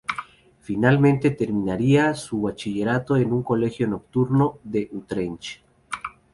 Finalmente terminaría su bachillerato en un colegio nocturno de Utrecht.